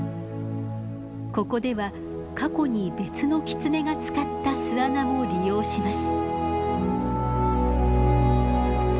ここでは過去に別のキツネが使った巣穴も利用します。